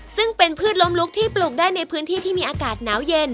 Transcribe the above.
ซึ่งเป็นพืชล้มลุกที่ปลูกได้ในพื้นที่ที่มีอากาศหนาวเย็น